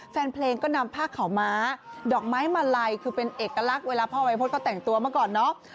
แฟนเพลงก็นำผ้าขาวม้าดอกไม้มาลัยคือเป็นเอกลักษณ์เวลาพ่อวัยพฤษก็แต่งตัวเมื่อก่อนเนาะ